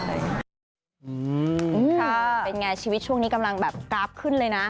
ค่ะเป็นไงชีวิตช่วงนี้กำลังแบบกราฟขึ้นเลยนะ